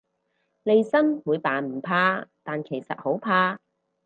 利申會扮唔怕，但其實好怕